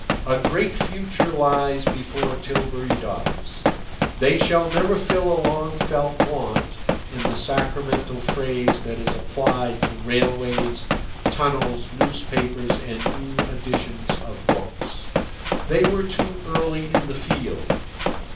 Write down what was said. A great future lies before Tilbury Docks. They shall never fill a long felt want (in the sacramental phrase that is applied to railways, tunnels, newspapers, and new editions of books). They were too early in the field.